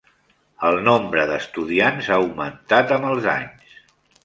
El nombre d'estudiants ha augmentat amb els anys.